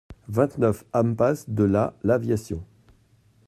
vingt-neuf impasse de la l'Aviation